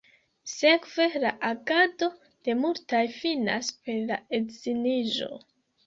Sekve la agado de multaj finas per la edziniĝo.